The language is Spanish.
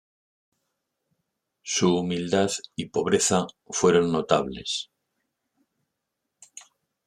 Su humildad y pobreza fueron notables.